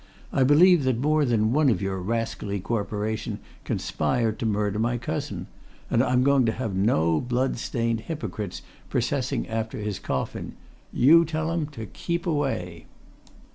I believe that more than one of your rascally Corporation conspired to murder my cousin! And I'm going to have no blood stained hypocrites processing after his coffin! You tell 'em to keep away!"